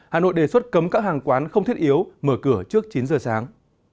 hà nội đề xuất cấm các hàng quán không thiết yếu mở cửa trước chín giờ sáng